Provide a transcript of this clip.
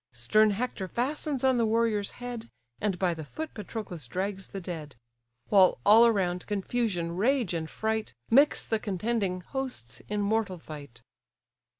Stern Hector fastens on the warrior's head, And by the foot Patroclus drags the dead: While all around, confusion, rage, and fright, Mix the contending hosts in mortal fight.